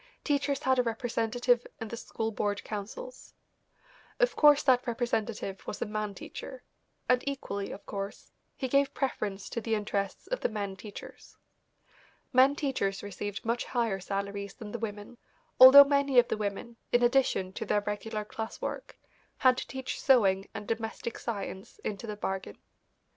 Teachers had a representative in the school board councils. Of course that representative was a man teacher, and equally of course, he gave preference to the interests of the men teachers. Men teachers received much higher salaries than the women, although many of the women, in addition to their regular class work, had to teach sewing and domestic science into the bargain.